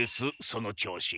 その調子。